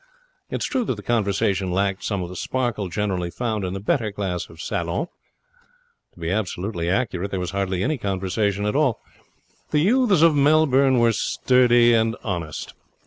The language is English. It is true that the conversation lacked some of the sparkle generally found in the better class of salon. To be absolutely accurate, there was hardly any conversation. The youths of Melbourne were sturdy and honest.